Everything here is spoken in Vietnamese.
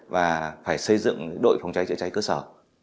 và phải xây dựng đội phòng cháy chữa cháy cơ sở